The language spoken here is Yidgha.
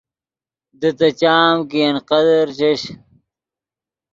دے تے چام کہ ین قدر چش